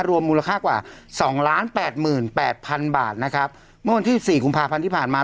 รวมมูลค่ากว่าสองล้านแปดหมื่นแปดพันบาทนะครับเมื่อวันที่สี่กุมภาพันธ์ที่ผ่านมา